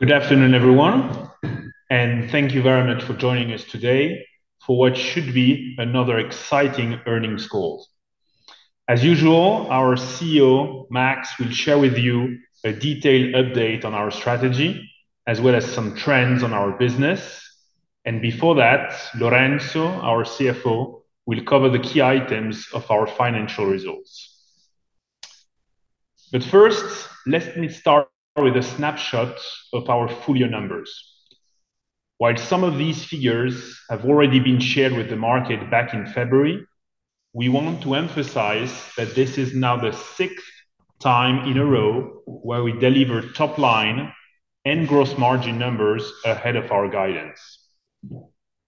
Good afternoon, everyone, and thank you very much for joining us today for what should be another exciting earnings call. As usual, our CEO, Max, will share with you a detailed update on our strategy, as well as some trends on our business. Before that, Lorenzo, our CFO, will cover the key items of our financial results. First, let me start with a snapshot of our full year numbers. While some of these figures have already been shared with the market back in February, we want to emphasize that this is now the sixth time in a row where we delivered top line and gross margin numbers ahead of our guidance.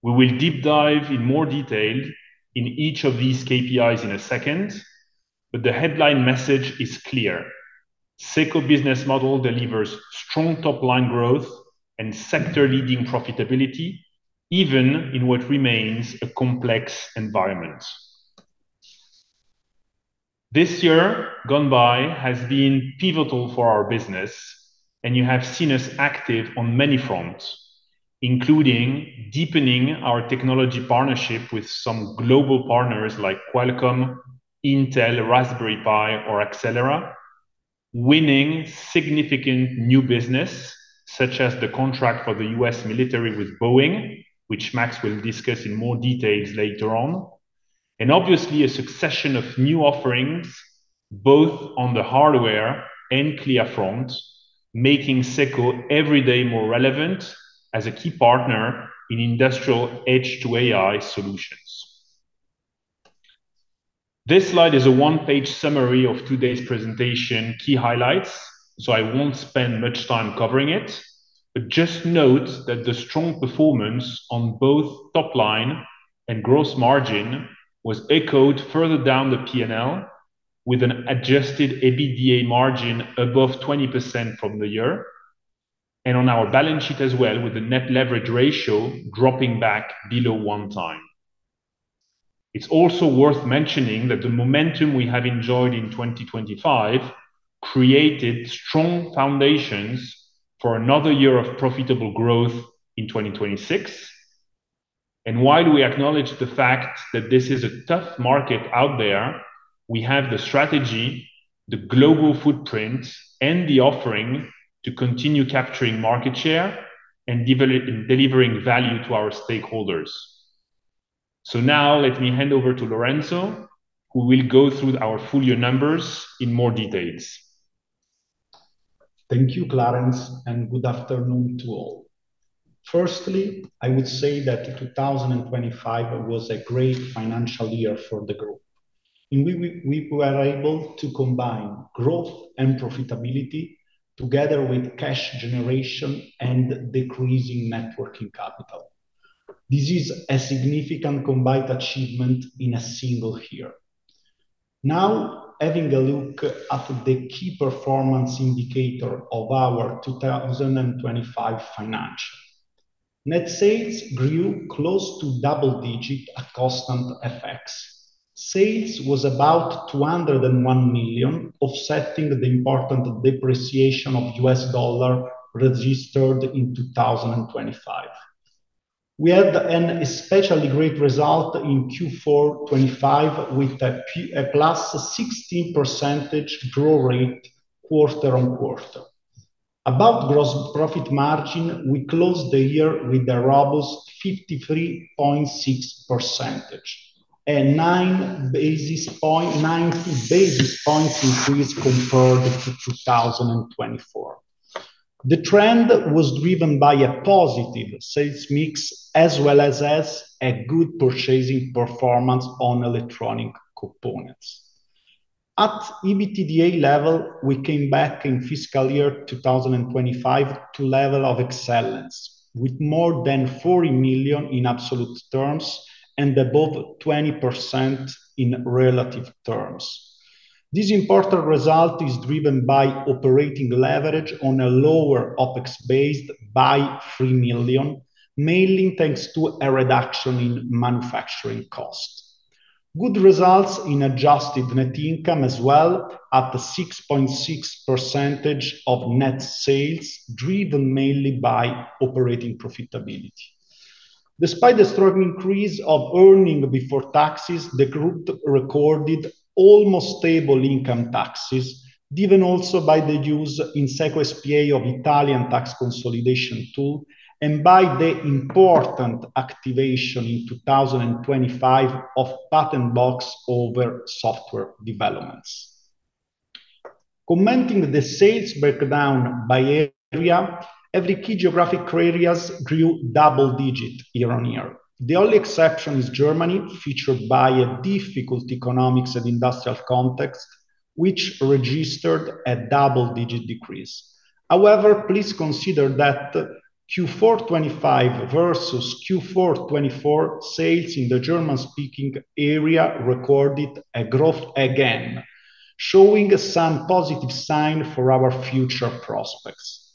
We will deep dive in more detail in each of these KPIs in a second, but the headline message is clear. SECO business model delivers strong top-line growth and sector-leading profitability even in what remains a complex environment. This year gone by has been pivotal for our business, and you have seen us active on many fronts, including deepening our technology partnership with some global partners like Qualcomm, Intel, Raspberry Pi, or Axelera. Winning significant new business such as the contract for the U.S. military with Boeing, which Max will discuss in more details later on. Obviously a succession of new offerings both on the hardware and Clea front, making SECO every day more relevant as a key partner in industrial Edge AI solutions. This slide is a one-page summary of today's presentation key highlights, so I won't spend much time covering it. Just note that the strong performance on both top line and gross margin was echoed further down the P&L with an adjusted EBITDA margin above 20% for the year, and on our balance sheet as well, with the net leverage ratio dropping back below 1x. It's also worth mentioning that the momentum we have enjoyed in 2025 created strong foundations for another year of profitable growth in 2026. While we acknowledge the fact that this is a tough market out there, we have the strategy, the global footprint, and the offering to continue capturing market share and delivering value to our stakeholders. Now let me hand over to Lorenzo, who will go through our full-year numbers in more detail. Thank you, Clarence, and good afternoon to all. Firstly, I would say that 2025 was a great financial year for the group. We were able to combine growth and profitability together with cash generation and decreasing net working capital. This is a significant combined achievement in a single year. Now, having a look at the key performance indicator of our 2025 financials. Net sales grew close to double-digit at constant FX. Sales was about 201 million, offsetting the important depreciation of US dollar registered in 2025. We had an especially great result in Q4 2025 with a +16% growth rate quarter-on-quarter. About gross profit margin, we closed the year with a robust 53.6% and 90 basis points increase compared to 2024. The trend was driven by a positive sales mix as well as a good purchasing performance on electronic components. At EBITDA level, we came back in fiscal year 2025 to level of excellence with more than 40 million in absolute terms and above 20% in relative terms. This important result is driven by operating leverage on a lower OpEx base by 3 million, mainly thanks to a reduction in manufacturing cost. Good results in adjusted net income as well at 6.6% of net sales, driven mainly by operating profitability. Despite the strong increase of earnings before taxes, the group recorded almost stable income taxes, driven also by the use in SECO S.p.A. of Italian tax consolidation tool and by the important activation in 2025 of Patent Box over software developments. Commenting the sales breakdown by area, every key geographic areas grew double-digit year-over-year. The only exception is Germany, featured by a difficult economic and industrial context, which registered a double-digit decrease. However, please consider that Q4 2025 versus Q4 2024 sales in the German-speaking area recorded a growth again, showing some positive sign for our future prospects.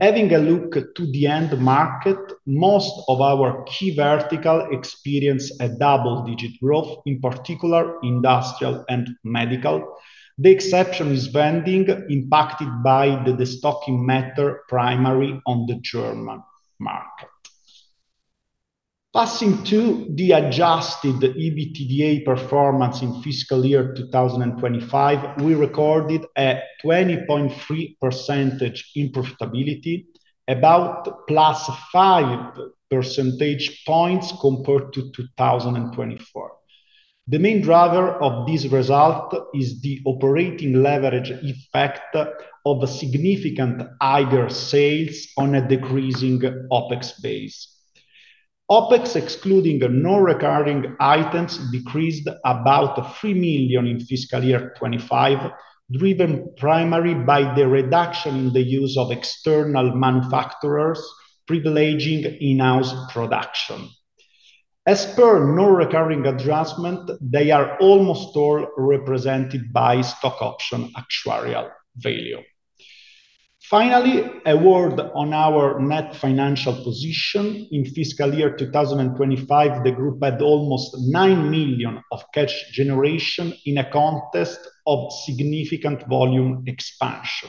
Having a look at the end market, most of our key verticals experienced a double-digit growth, in particular industrial and medical. The exception is vending, impacted by the destocking matter, primarily on the German market. Passing to the adjusted EBITDA performance in fiscal year 2025, we recorded a 20.3% in profitability, about +5 percentage points compared to 2024. The main driver of this result is the operating leverage effect of significant higher sales on a decreasing OpEx base. OpEx, excluding the non-recurring items, decreased about 3 million in fiscal year 2025, driven primarily by the reduction in the use of external manufacturers, privileging in-house production. As per non-recurring adjustment, they are almost all represented by stock option actuarial value. Finally, a word on our net financial position. In fiscal year 2025, the group had almost 9 million of cash generation in a context of significant volume expansion.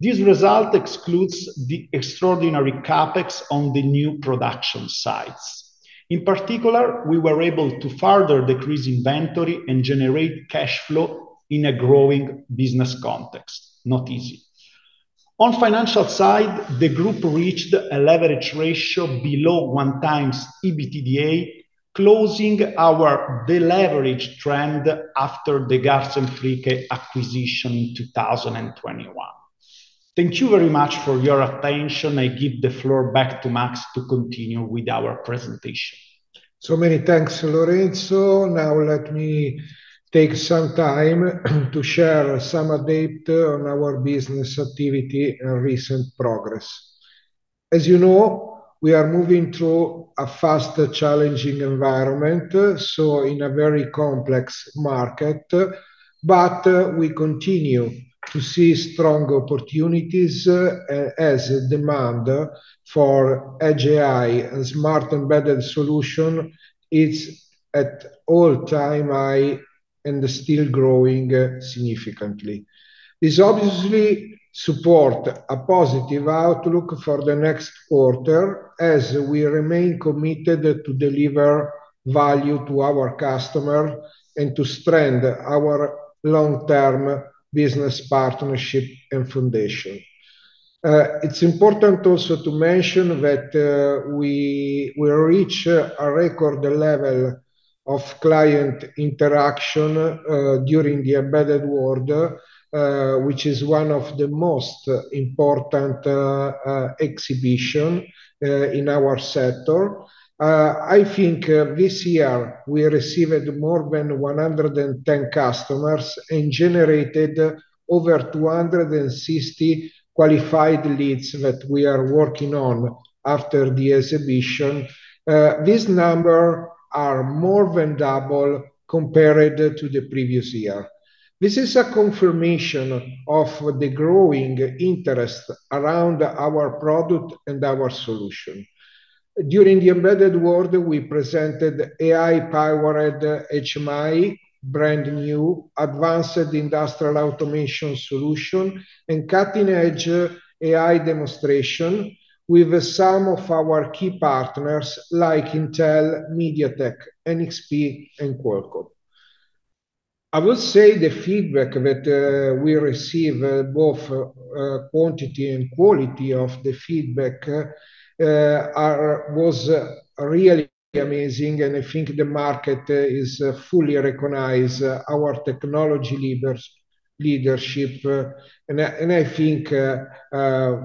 This result excludes the extraordinary CapEx on the new production sites. In particular, we were able to further decrease inventory and generate cash flow in a growing business context. Not easy. On financial side, the group reached a leverage ratio below 1x EBITDA, closing our deleverage trend after the Garz & Fricke acquisition in 2021. Thank you very much for your attention. I give the floor back to Max to continue with our presentation. Many thanks, Lorenzo. Now let me take some time to share some update on our business activity and recent progress. As you know, we are moving through a fast challenging environment, so in a very complex market, but we continue to see strong opportunities, as demand for Edge AI and smart embedded solution is at all-time high and still growing significantly. This obviously support a positive outlook for the next quarter as we remain committed to deliver value to our customer and to strengthen our long-term business partnership and foundation. It's important also to mention that we reach a record level of client interaction during the Embedded World, which is one of the most important exhibition in our sector. I think this year we received more than 110 customers and generated over 260 qualified leads that we are working on after the exhibition. This number are more than double compared to the previous year. This is a confirmation of the growing interest around our product and our solution. During the Embedded World, we presented AI-powered HMI, brand-new advanced industrial automation solution, and cutting-edge AI demonstration with some of our key partners like Intel, MediaTek, NXP, and Qualcomm. I would say the feedback that we received, both quantity and quality of the feedback, was really amazing, and I think the market is fully recognize our technology leadership. I think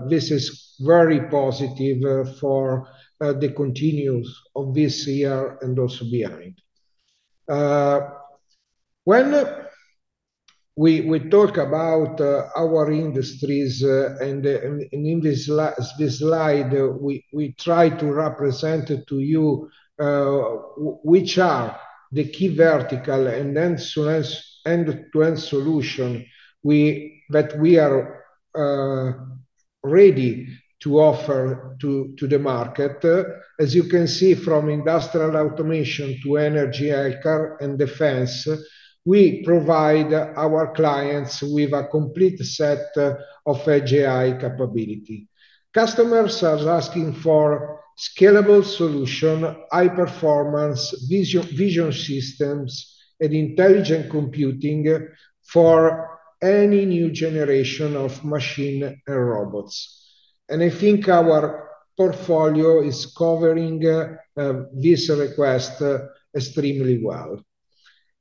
this is very positive for the continuation of this year and also beyond. When we talk about our industries and in this slide, we try to represent to you which are the key vertical end-to-end solutions that we are ready to offer to the market. As you can see, from industrial automation to energy, AGV and defense, we provide our clients with a complete set of Edge AI capability. Customers are asking for scalable solution, high performance, vision systems, and intelligent computing for any new generation of machine and robots. I think our portfolio is covering this request extremely well.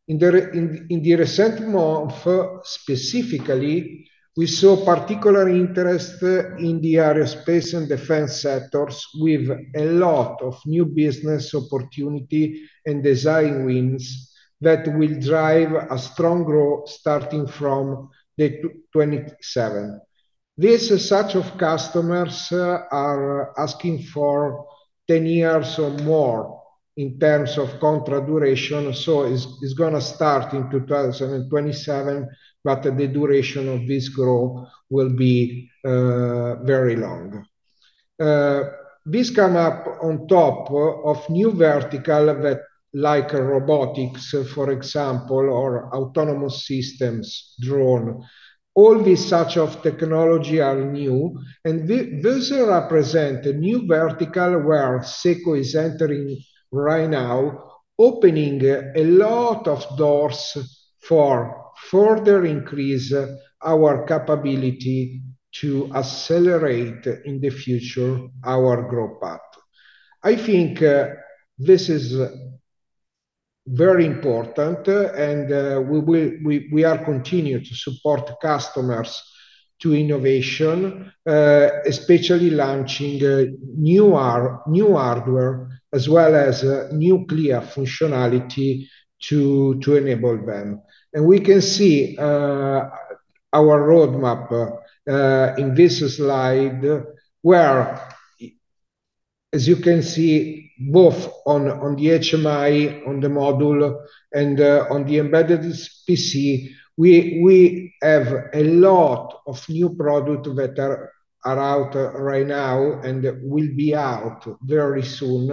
In the recent month, specifically, we saw particular interest in the aerospace and defense sectors with a lot of new business opportunity and design wins that will drive a strong growth starting from 2027. This is such that customers are asking for 10 years or more in terms of contract duration. It's gonna start in 2027, but the duration of this growth will be very long. This comes on top of new vertical that, like robotics, for example, or autonomous systems, drone. All these sort of technology are new, and those represent a new vertical where SECO is entering right now, opening a lot of doors for further increase our capability to accelerate in the future our growth path. I think this is very important, and we are continue to support customers to innovation, especially launching new hardware as well as new Clea functionality to enable them. We can see our roadmap in this slide, where, as you can see, both on the HMI, on the module, and on the embedded PC, we have a lot of new product that are out right now and will be out very soon.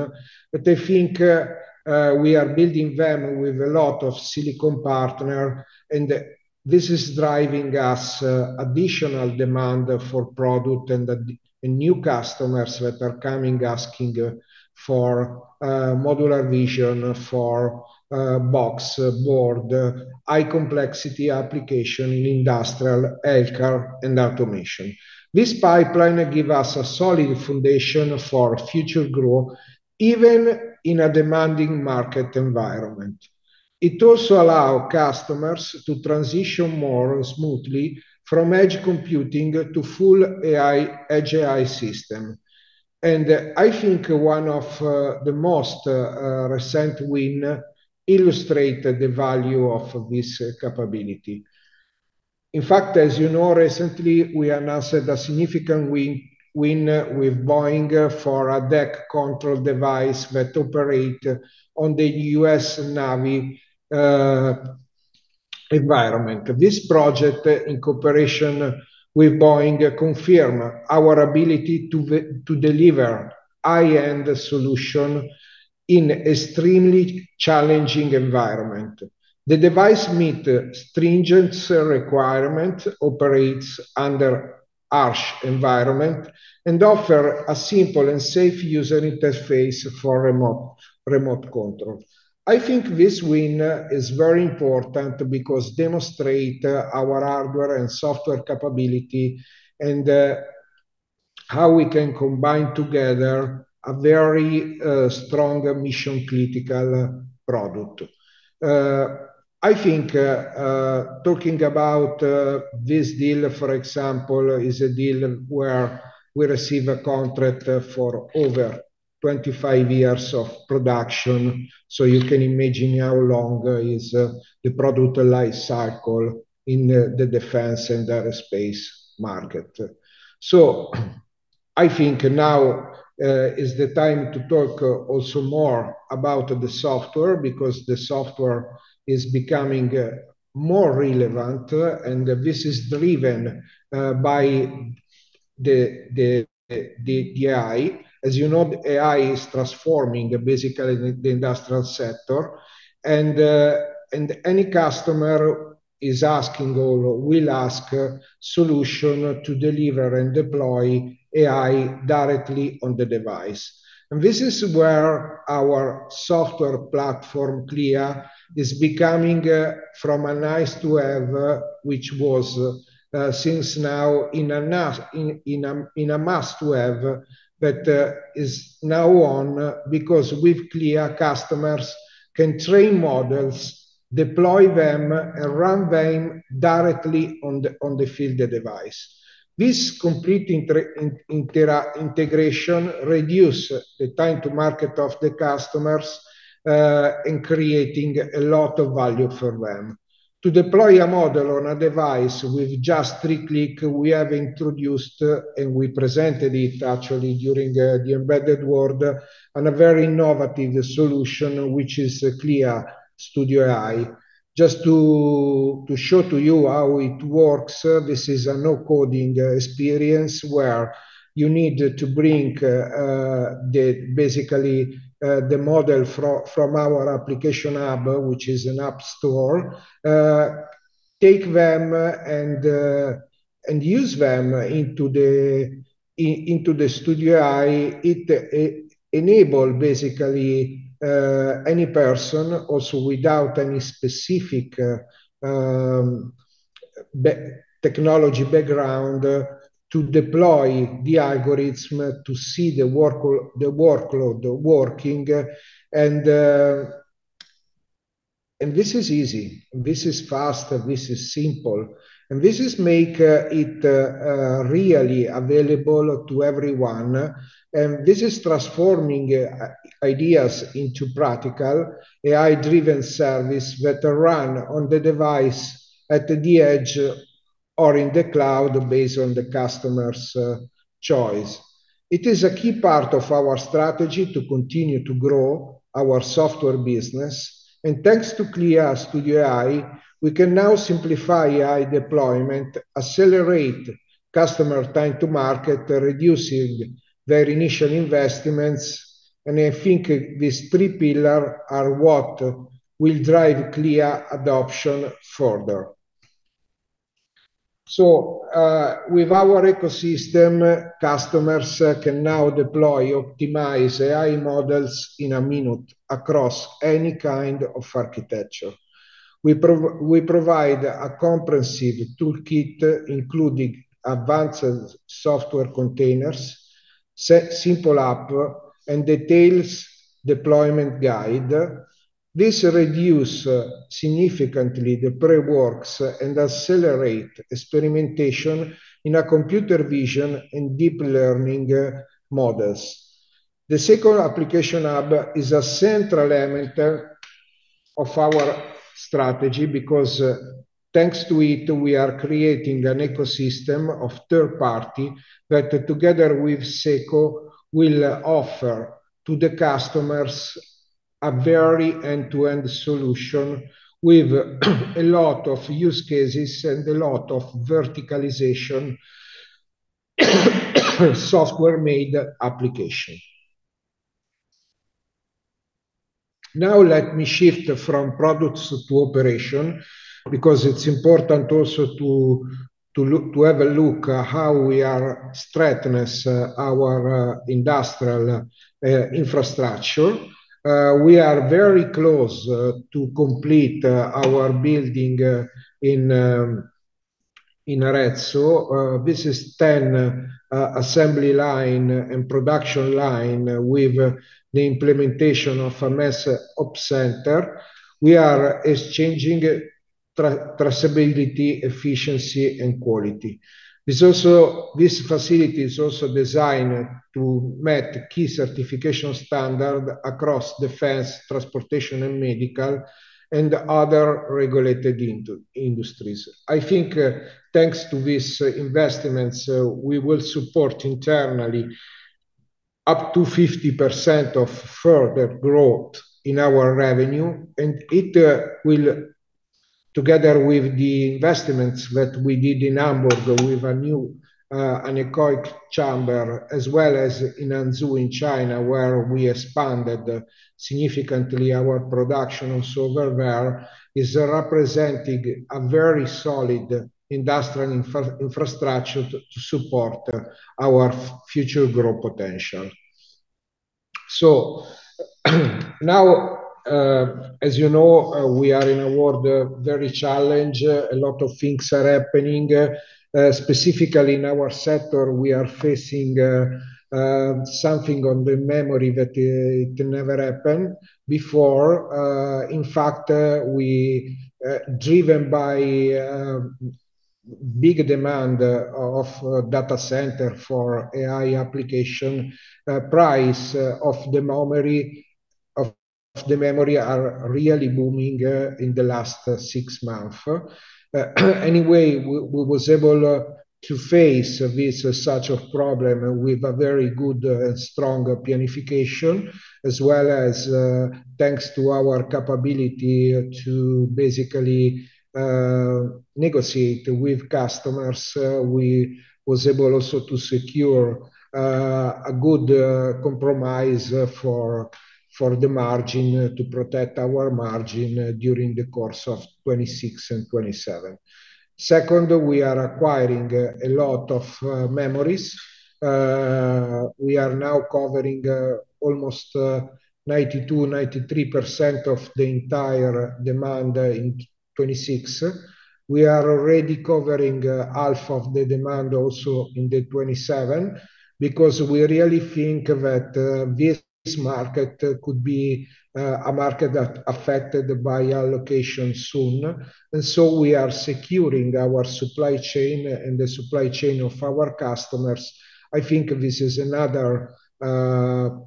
I think we are building them with a lot of silicon partner, and this is driving us additional demand for product and new customers that are coming asking for modular vision, for box PC, high complexity application in industrial, healthcare, and automation. This pipeline give us a solid foundation for future growth, even in a demanding market environment. It also allow customers to transition more smoothly from edge computing to full AI, Edge AI system. I think one of the most recent win illustrated the value of this capability. In fact, as you know, recently, we announced a significant win with Boeing for a Deck Control Device that operates in the U.S. Navy environment. This project, in cooperation with Boeing, confirms our ability to deliver high-end solutions in extremely challenging environments. The device meets stringent requirements, operates under harsh environments, and offers a simple and safe user interface for remote control. I think this win is very important because it demonstrates our hardware and software capabilities, and how we can combine together a very strong mission-critical product. I think talking about this deal, for example, is a deal where we receive a contract for over 25 years of production, so you can imagine how long the product life cycle is in the defense and aerospace market. I think now is the time to talk also more about the software, because the software is becoming more relevant, and this is driven by the AI. As you know, AI is transforming basically the industrial sector, and any customer is asking or will ask solution to deliver and deploy AI directly on the device. And this is where our software platform, Clea, is becoming from a nice-to-have, which was until now, into a must-have, because with Clea, customers can train models, deploy them, and run them directly on the field device. This complete integration reduce the time to market of the customers in creating a lot of value for them. To deploy a model on a device with just three clicks, we have introduced, and we presented it actually during the Embedded World, a very innovative solution, which is Clea AI Studio. Just to show to you how it works, this is a no-coding experience where you need to bring, basically, the model from our Application Hub, which is an app store, take them and use them into the Studio AI. It enables basically any person, also without any specific technical technology background, to deploy the algorithm to see the workload working. This is easy, this is fast, and this is simple, and this makes it really available to everyone. This is transforming ideas into practical AI-driven services that run on the device at the edge or in the cloud based on the customer's choice. It is a key part of our strategy to continue to grow our software business. Thanks to Clea AI Studio, we can now simplify AI deployment, accelerate customer time to market, reducing their initial investments. I think these three pillars are what will drive Clea adoption further. With our ecosystem, customers can now deploy optimized AI models in a minute across any kind of architecture. We provide a comprehensive toolkit, including advanced software containers, simple apps, and detailed deployment guides. This reduces significantly the pre-work and accelerates experimentation in computer vision and deep learning models. The second Application Hub is a central element of our strategy because thanks to it, we are creating an ecosystem of third party that together with SECO will offer to the customers a very end-to-end solution with a lot of use cases and a lot of verticalization software-made application. Now let me shift from products to operation because it's important also to have a look how we are strengthening our industrial infrastructure. We are very close to complete our building in Arezzo. This is 10 assembly line and production line with the implementation of a massive operations center. We are enhancing traceability, efficiency and quality. This facility is also designed to meet key certification standard across defense, transportation and medical, and other regulated industries. I think thanks to these investments, we will support internally up to 50% of further growth in our revenue, and it will together with the investments that we did in Hamburg with a new anechoic chamber, as well as in Hangzhou in China, where we expanded significantly our production also over there, is representing a very solid industrial infrastructure to support our future growth potential. Now, as you know, we are in a world very challenged. A lot of things are happening. Specifically in our sector, we are facing something on the memory that it never happened before. In fact, driven by big demand for data centers for AI applications, price of the memory are really booming in the last six months. Anyway, we was able to face this as such a problem with a very good and strong planification. As well as, thanks to our capability to basically negotiate with customers, we was able also to secure a good compromise for the margin, to protect our margin during the course of 2026 and 2027. Second, we are acquiring a lot of memories. We are now covering almost 92%-93% of the entire demand in 2026. We are already covering half of the demand also in the 2027 because we really think that this market could be a market that affected by allocation soon. We are securing our supply chain and the supply chain of our customers. I think this is another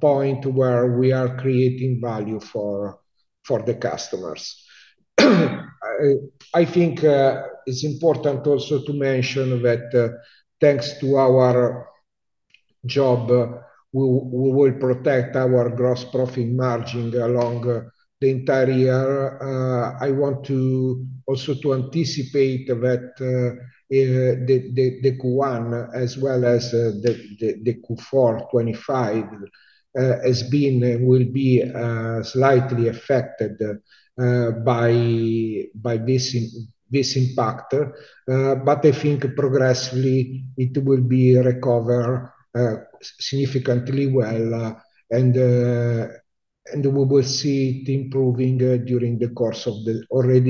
point where we are creating value for the customers. I think it's important also to mention that thanks to our job we will protect our gross profit margin along the entire year. I want also to anticipate that the Q1 as well as the Q4 2025 will be slightly affected by this impactor. But I think progressively it will recover significantly well and we will see it improving already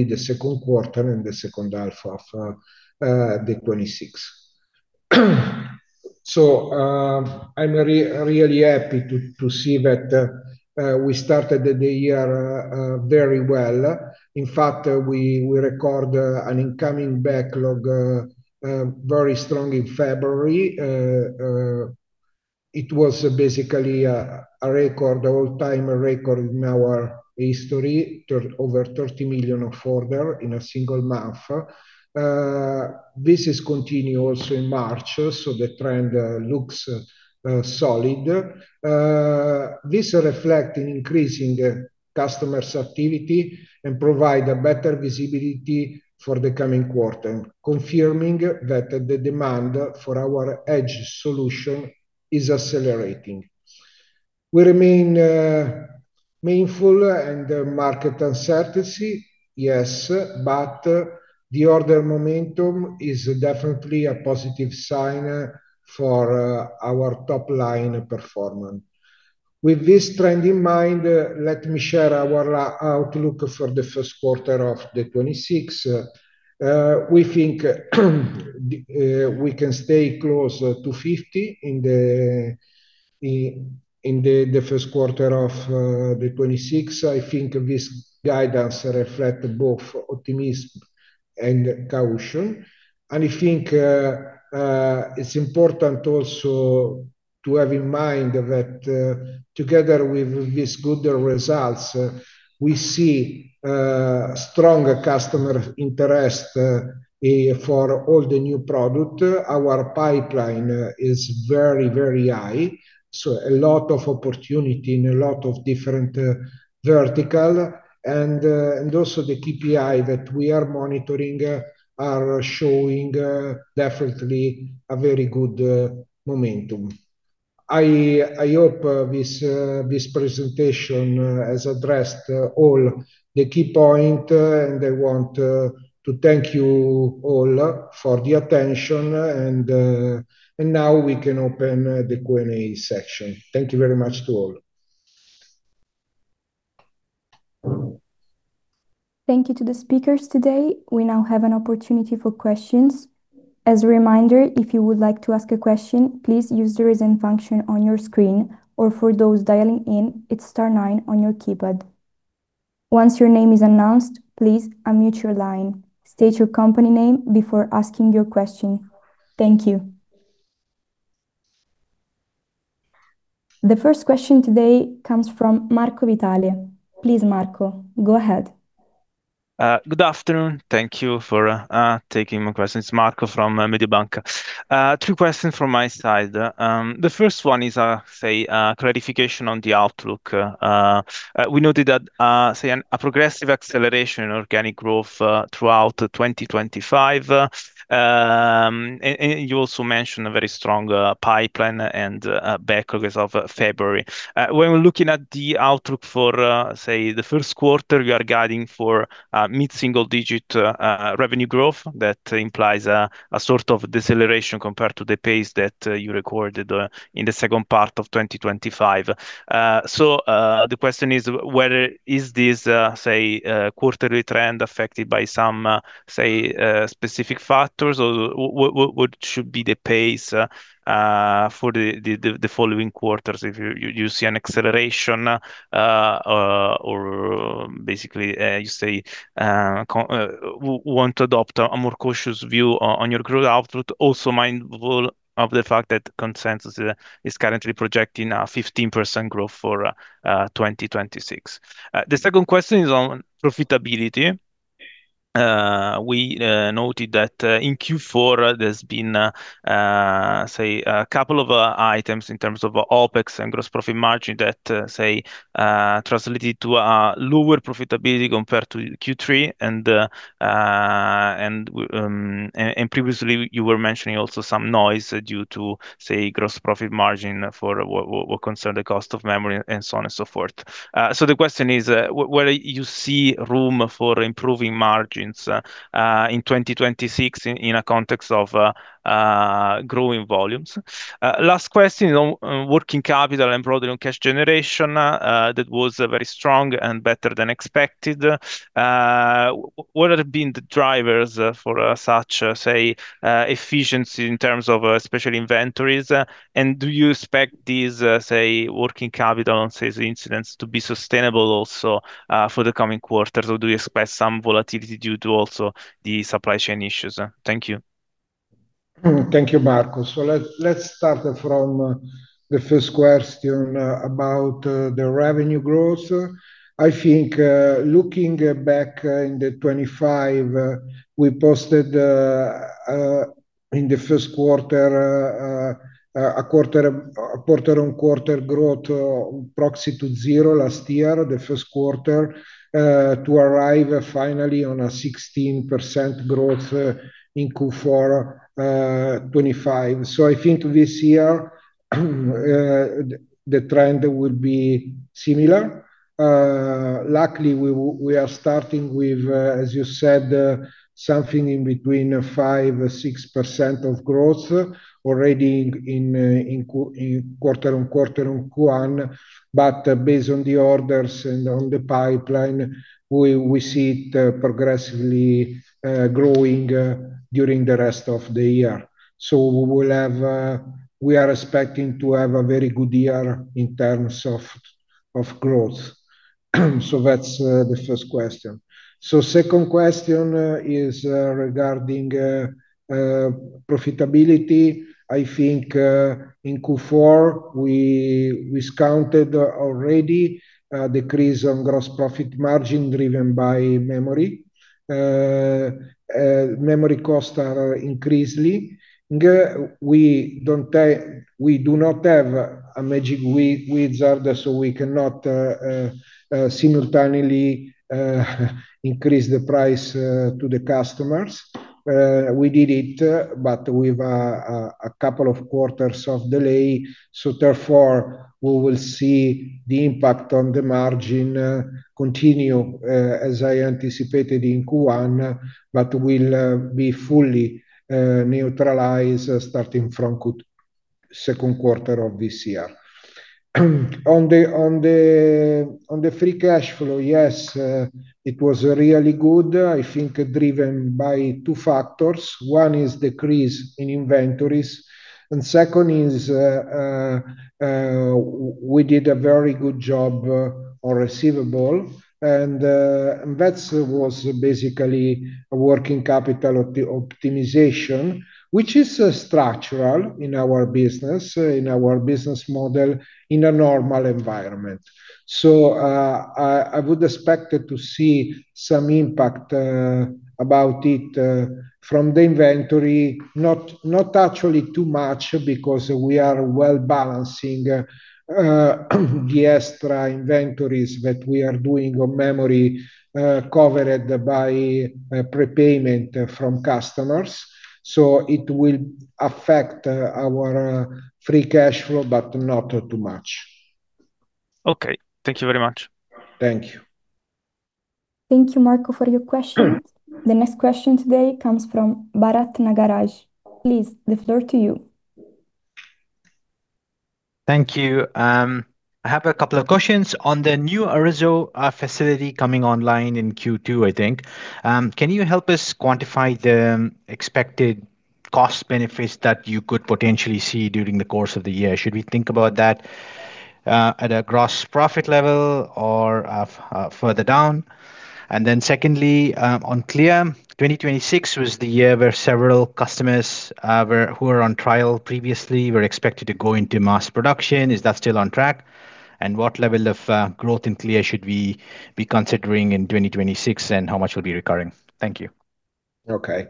the Q2 and the H2 of the 2026. I'm really happy to see that we started the year very well. In fact, we record an incoming backlog very strong in February. It was basically a record, all-time record in our history, over 30 million in orders in a single month. This continues also in March, so the trend looks solid. This reflects an increasing customers' activity and provides a better visibility for the coming quarter, confirming that the demand for our edge solution is accelerating. We remain mindful of market uncertainty, yes, but the order momentum is definitely a positive sign for our top line performance. With this trend in mind, let me share our outlook for the Q1 of 2026. We think we can stay close to 50 million in the Q1 of 2026. I think this guidance reflects both optimism and caution. I think it's important also to have in mind that together with these good results, we see strong customer interest for all the new product. Our pipeline is very high, so a lot of opportunity in a lot of different vertical. Also the KPI that we are monitoring are showing definitely a very good momentum. I hope this presentation has addressed all the key point, and I want to thank you all for the attention and now we can open the Q&A section. Thank you very much to all. Thank you to the speakers today. We now have an opportunity for questions. As a reminder, if you would like to ask a question, please use the Raise Hand function on your screen, or for those dialing in, it's star nine on your keypad. Once your name is announced, please unmute your line. State your company name before asking your question. Thank you. The first question today comes from Marco Vitale. Please, Marco, go ahead. Good afternoon. Thank you for taking my questions. Marco from Mediobanca. Two questions from my side. The first one is clarification on the outlook. We noted that a progressive acceleration in organic growth throughout 2025. And you also mentioned a very strong pipeline and backlog as of February. When we're looking at the outlook for the Q1, we are guiding for mid-single-digit revenue growth. That implies a sort of deceleration compared to the pace that you recorded in the second part of 2025. The question is whether this quarterly trend is affected by some specific factors? What should be the pace for the following quarters if you see an acceleration or basically you say want to adopt a more cautious view on your growth outlook, also mindful of the fact that consensus is currently projecting a 15% growth for 2026? The second question is on profitability. We noted that in Q4 there's been say a couple of items in terms of OpEx and gross profit margin that say translated to a lower profitability compared to Q3 and previously you were mentioning also some noise due to say gross profit margin for what concern the cost of memory and so on and so forth. The question is whether you see room for improving margins in 2026 in a context of growing volumes? Last question on working capital and broader on cash generation that was very strong and better than expected. What have been the drivers for such, say, efficiency in terms of, especially inventories? Do you expect these, say, working capital, say, incidents to be sustainable also for the coming quarters, or do you expect some volatility due to also the supply chain issues? Thank you. Thank you, Marco. Let's start from the first question about the revenue growth. I think looking back in 2025, we posted in the Q1 a quarter-on-quarter growth proximate to zero last year, the Q1, to arrive finally on a 16% growth in Q4 2025. I think this year the trend will be similar. Luckily, we are starting with, as you said, something in between 5%-6% of growth already in quarter-on-quarter on Q1. Based on the orders and on the pipeline, we see it progressively growing during the rest of the year. We'll have we are expecting to have a very good year in terms of growth. That's the first question. Second question is regarding profitability. I think in Q4, we discounted already a decrease on gross profit margin driven by memory. Memory costs are increasingly. We do not have a magic wizard, so we cannot simultaneously increase the price to the customers. We did it, but with a couple of quarters of delay. We will see the impact on the margin continue as I anticipated in Q1, but will be fully neutralized starting from Q2, Q2 of this year. On the free cash flow, yes, it was really good, I think driven by two factors. One is decrease in inventories, and second is, we did a very good job on receivable, and that was basically a working capital optimization, which is structural in our business, in our business model in a normal environment. I would expect to see some impact about it from the inventory. Not actually too much because we are well-balancing the extra inventories that we are doing on memory, covered by prepayment from customers. It will affect our free cashflow, but not too much. Okay. Thank you very much. Thank you. Thank you, Marco, for your question. The next question today comes from Bharath Nagaraj. Please, the floor to you. Thank you. I have a couple of questions. On the new Arezzo facility coming online in Q2, I think, can you help us quantify the expected cost benefits that you could potentially see during the course of the year? Should we think about that at a gross profit level or further down? Then secondly, on Clea, 2026 was the year where several customers who were on trial previously were expected to go into mass production. Is that still on track? And what level of growth in Clea should we be considering in 2026, and how much will be recurring? Thank you. Okay,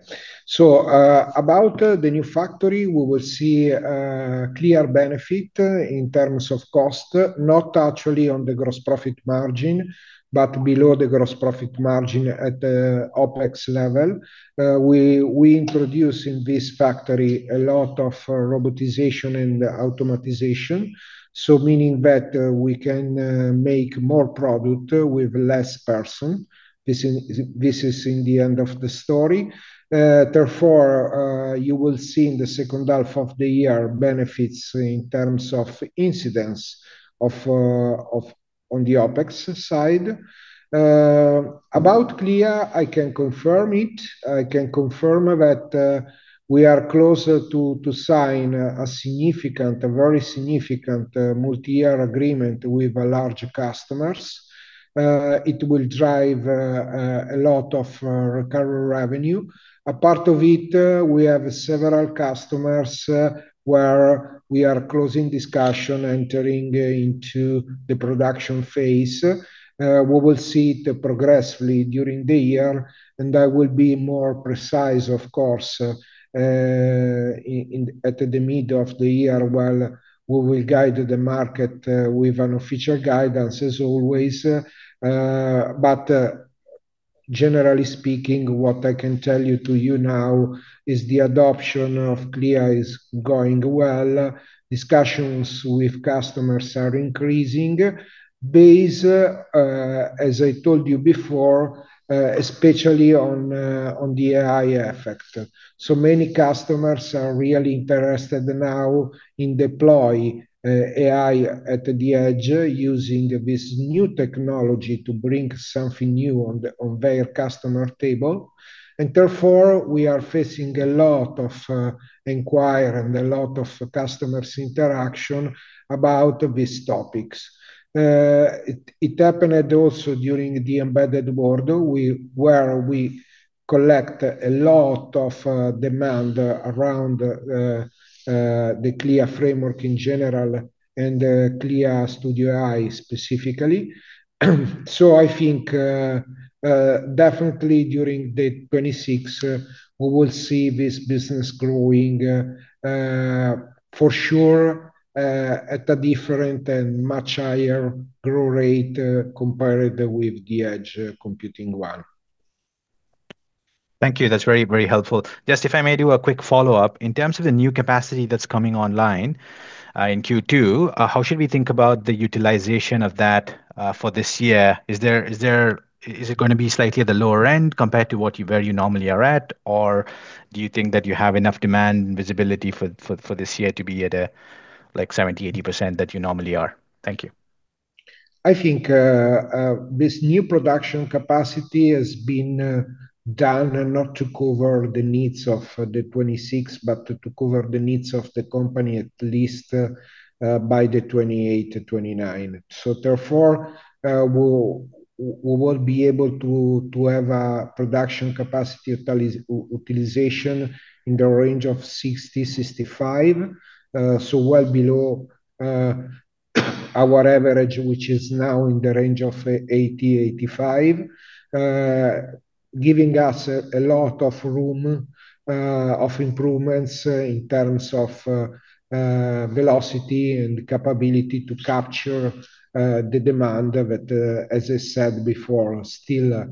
about the new factory, we will see a clear benefit in terms of cost, not actually on the gross profit margin, but below the gross profit margin at the OpEx level. We introduce in this factory a lot of robotization and automatization, so meaning that we can make more product with less personnel. This is in the end of the story. Therefore, you will see in the H2 benefits in terms of incidents on the OpEx side. About Clea, I can confirm it. I can confirm that we are closer to sign a significant, a very significant multi-year agreement with large customers. It will drive a lot of recurrent revenue. A part of it, we have several customers where we are closing discussion, entering into the production phase. We will see it progressively during the year, and I will be more precise, of course, in at the mid of the year while we will guide the market with an official guidance as always. Generally speaking, what I can tell you now is the adoption of Clea is going well. Discussions with customers are increasing based, as I told you before, especially on the AI effect. Many customers are really interested now in deploying AI at the edge using this new technology to bring something new on their customer table. Therefore, we are facing a lot of inquiry and a lot of customers interaction about these topics. It happened also during the Embedded World where we collect a lot of demand around the Clea framework in general and Clea AI Studio specifically. I think definitely during 2026 we will see this business growing for sure at a different and much higher growth rate compared with the edge computing one. Thank you. That's very, very helpful. Just if I may do a quick follow-up. In terms of the new capacity that's coming online in Q2, how should we think about the utilization of that for this year? Is it gonna be slightly at the lower end compared to where you normally are at? Or do you think that you have enough demand and visibility for this year to be at a, like, 70%-80% that you normally are? Thank you. I think this new production capacity has been done not to cover the needs of 2026, but to cover the needs of the company at least by 2028-2029. Therefore, we will be able to have a production capacity utilization in the range of 60%-65%, so well below our average, which is now in the range of 80%-85%, giving us a lot of room of improvements in terms of velocity and capability to capture the demand that, as I said before, still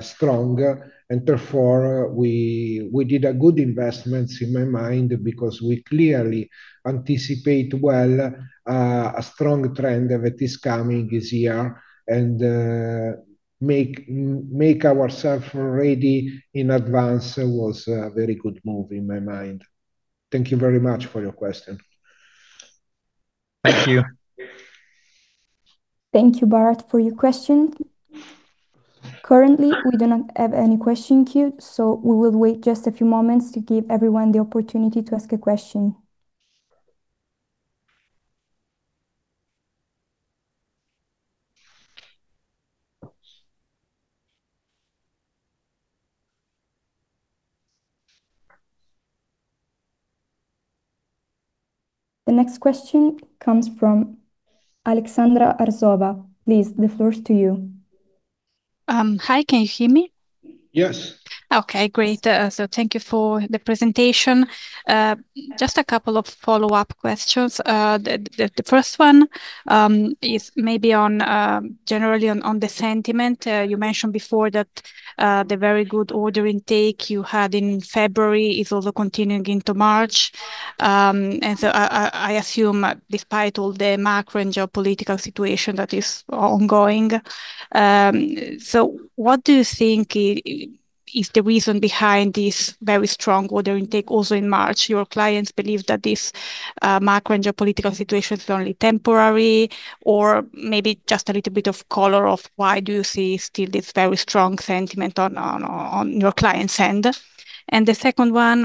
strong. Therefore, we did a good investment in my mind because we clearly anticipate well a strong trend that is coming this year, and make ourselves ready in advance was a very good move in my mind. Thank you very much for your question. Thank you. Thank you, Bharath, for your question. Currently, we do not have any question queued, so we will wait just a few moments to give everyone the opportunity to ask a question. The next question comes from Aleksandra Arsova. Please, the floor is to you. Hi, can you hear me? Yes. Okay, great. Thank you for the presentation. Just a couple of follow-up questions. The first one is maybe on generally on the sentiment. You mentioned before that the very good order intake you had in February is also continuing into March. I assume despite all the macro and geopolitical situation that is ongoing. What do you think is the reason behind this very strong order intake also in March? Your clients believe that this macro and geopolitical situation is only temporary, or maybe just a little bit of color of why do you see still this very strong sentiment on your clients' end? The second one,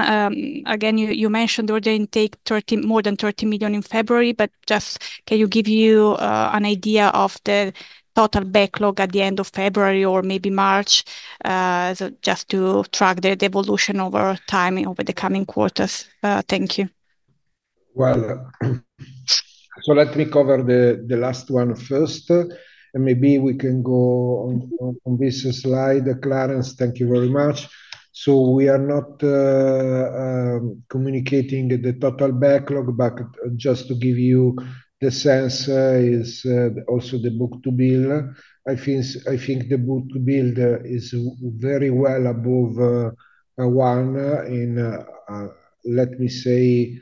again you mentioned order intake thirty... More than 30 million in February, but just can you give an idea of the total backlog at the end of February or maybe March, so just to track the evolution over time over the coming quarters? Thank you. Well, let me cover the last one first, and maybe we can go on this slide. Clarence, thank you very much. We are not communicating the total backlog, but just to give you the sense also the book-to-bill. I think the book-to-bill is very well above one, let me say,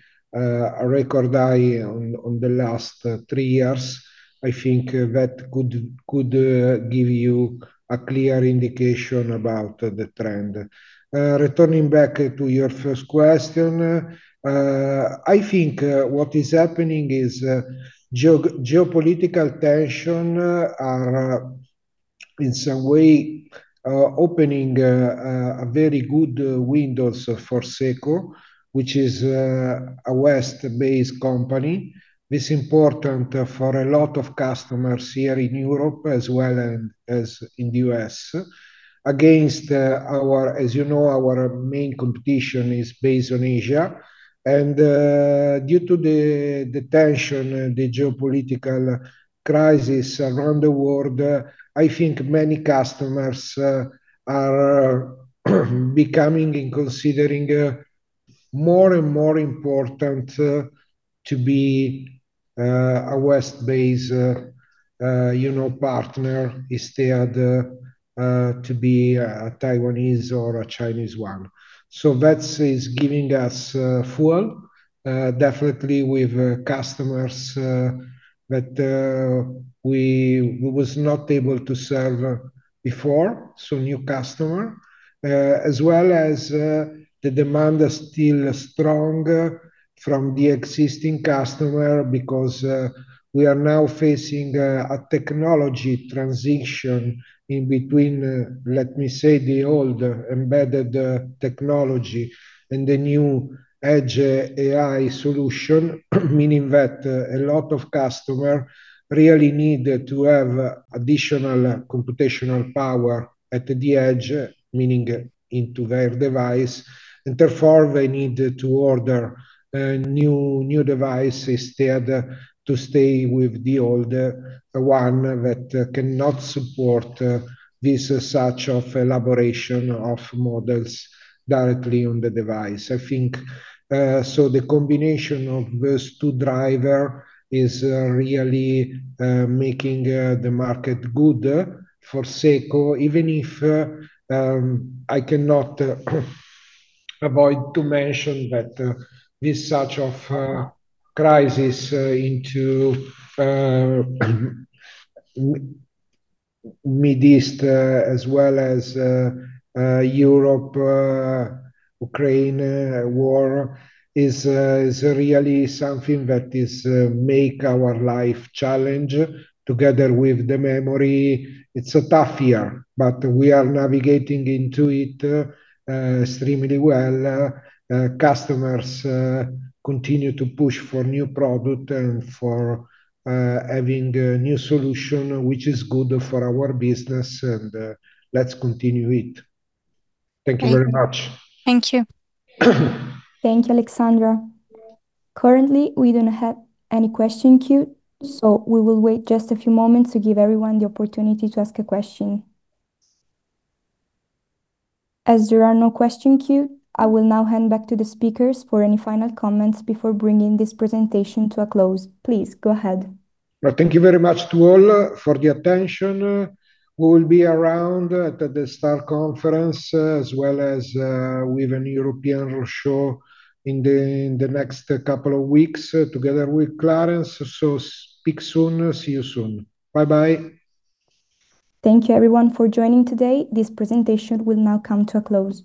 record high over the last three years. I think that could give you a clear indication about the trend. Returning back to your first question, I think what is happening is geopolitical tensions are in some way opening a very good window for SECO, which is a Western-based company. It's important for a lot of customers here in Europe as well as in the U.S. As you know, our main competition is based in Asia. Due to the tension, the geopolitical crisis around the world, I think many customers are considering more and more important to be a West-based, you know, partner instead of a Taiwanese or a Chinese one. That is giving us fuel definitely with customers that we was not able to serve before, so new customer. As well as the demand is still strong from the existing customer because we are now facing a technology transition in between, let me say, the old embedded technology and the new Edge AI solution, meaning that a lot of customer really need to have additional computational power at the edge, meaning into their device. Therefore, they need to order new devices instead to stay with the older one that cannot support this such of elaboration of models directly on the device. I think so the combination of those two driver is really making the market good for SECO, even if I cannot avoid to mention that this such of crisis into Mideast as well as Europe Ukraine war is really something that is make our life challenge together with the memory. It's a tough year, but we are navigating into it extremely well. Customers continue to push for new product and for having a new solution, which is good for our business, and let's continue it. Thank you very much. Thank you. Thank you, Aleksandra. Currently, we don't have any questions queued, so we will wait just a few moments to give everyone the opportunity to ask a question. As there are no questions queued, I will now hand back to the speakers for any final comments before bringing this presentation to a close. Please, go ahead. Thank you very much to all for the attention. We will be around at the STAR Conference, as well as with a European road show in the next couple of weeks together with Clarence. Speak soon. See you soon. Bye-bye. Thank you everyone for joining today. This presentation will now come to a close.